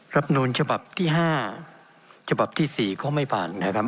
รับนูลฉบับที่๕ฉบับที่๔ก็ไม่ผ่านนะครับ